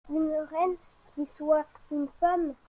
Une reine qui soit une femme.